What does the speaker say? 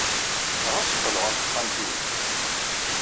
Ɣas qqel ɣer texxamt-nnek.